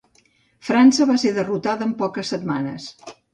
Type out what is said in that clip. França va ser derrotada en poques setmanes.